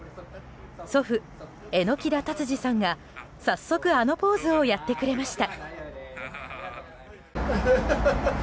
祖父・榎田達治さんが早速あのポーズをやってくれました。